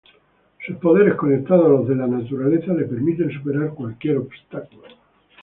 Sus poderes conectados a los de la naturaleza le permiten superar cualquier obstáculo.